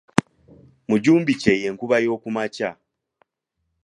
Mujumbi kye ye nkuba y'okumakya.